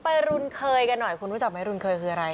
ไปฝุ่มเขยกันหน่อยคุณรู้จักไม่ฝุ่มเขยคืออะไร